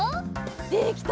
できた！